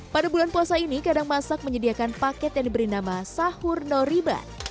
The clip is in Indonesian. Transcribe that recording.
pada bulan puasa ini kadang masak menyediakan paket yang diberi nama sahur noriban